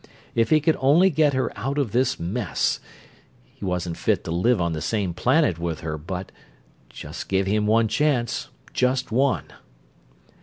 If he could only get her out of this mess ... he wasn't fit to live on the same planet with her, but ... just give him one chance, just one!